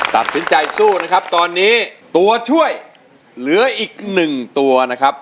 ตัดสินใจสู้นะครับตอนนี้ตัวช่วยเหลืออีกหนึ่งตัวนะครับ